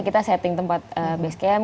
kita setting tempat base camp